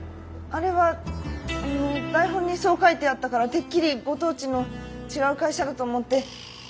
あれはあの台本にそう書いてあったからてっきりご当地の違う会社だと思って。